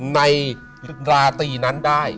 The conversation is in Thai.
ในราตรีนั้นได้